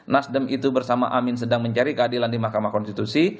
nasdem itu bersama amin sedang mencari keadilan di mahkamah konstitusi